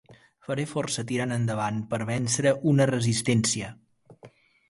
Faré força tirant endavant per vèncer una resistència.